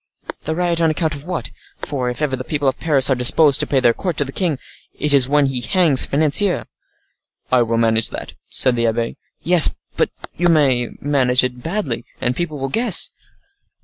"The riot on account of what? For, if ever the people of Paris are disposed to pay their court to the king, it is when he hangs financiers." "I will manage that," said the abbe. "Yes; but you may manage it badly, and people will guess."